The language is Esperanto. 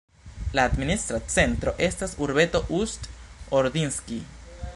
La administra centro estas urbeto Ust-Ordinskij.